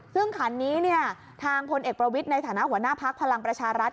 ซึ่งขันนี้ทางพลเอกประวิทย์ในฐานะหัวหน้าพักพลังประชารัฐ